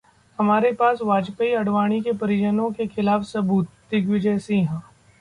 हमारे पास वाजपेयी-आडवाणी के परिजनों के खिलाफ सबूतः दिग्विजय सिंह